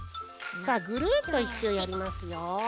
さあぐるっと１しゅうやりますよ。